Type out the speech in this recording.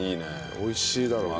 美味しいだろうな。